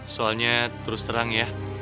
soalnya terus terang ya